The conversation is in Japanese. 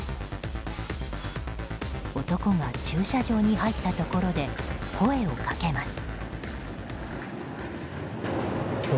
男が駐車場に入ったところで声をかけます。